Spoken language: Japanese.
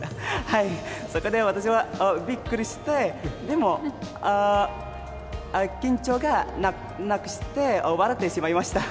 そこで私はびっくりして、でも、緊張がなくして、笑ってしまいました。